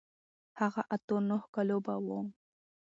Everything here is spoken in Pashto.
هغه اتو نهو کالو به و.